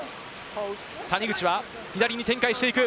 谷口は左に展開していく。